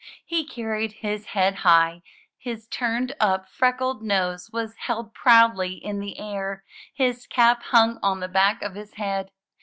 He carried his head high; his tumed up, freckled nose was held proudly in the air; his cap hung on the back of his head.